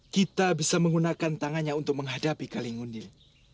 kita bisa menggunakan tangannya untuk menghadapi kalinggundir